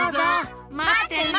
まってるよ！